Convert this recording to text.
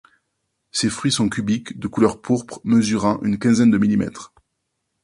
Ses fruits sont cubiques, de couleur pourpre, mesurant une quinzaine de millimètres.